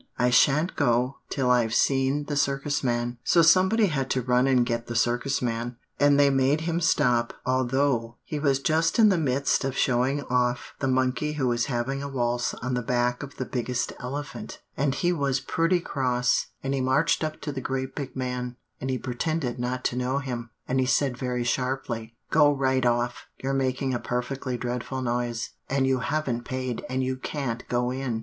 'I sha'n't go till I've seen the Circus man.' [Illustration: "Where's the Circus man?" asked the great big man.] "So somebody had to run and get the Circus man; and they made him stop, although he was just in the midst of showing off the monkey who was having a waltz on the back of the biggest elephant; and he was pretty cross, and he marched up to the great big man, and he pretended not to know him; and he said very sharply, 'Go right off; you're making a perfectly dreadful noise, and you haven't paid, and you can't go in.